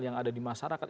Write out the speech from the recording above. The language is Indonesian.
yang ada di masyarakat